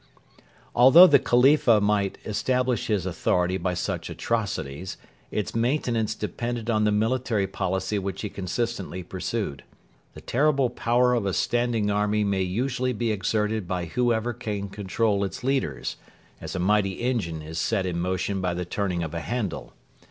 ] Although the Khalifa might establish his authority by such atrocities, its maintenance depended on the military policy which he consistently pursued. The terrible power of a standing army may usually be exerted by whoever can control its leaders, as a mighty engine is set in motion by the turning of a handle.